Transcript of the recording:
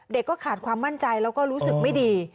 ก็ขาดความมั่นใจแล้วก็รู้สึกไม่ดี